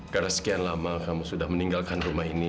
karena sekian lama kamu sudah meninggalkan rumah ini